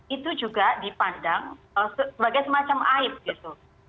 itu juga dipandang sebagai semacam aib gitu